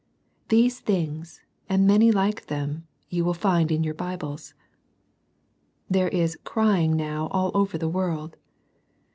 These things, and many like them, you will find in your Bibles. There is "crying" now all over the world.